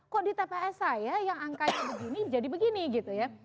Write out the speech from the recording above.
kok di tps saya yang angkanya begini jadi begini gitu ya